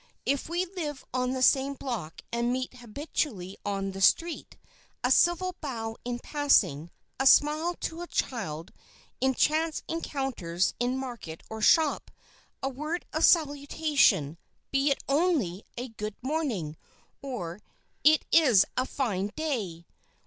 If we live on the same block and meet habitually on the street, a civil bow in passing, a smile to a child, in chance encounters in market or shop, a word of salutation, be it only a "Good morning," or "It is a fine day!"